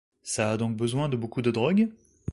Ça a donc besoin de beaucoup de drogues?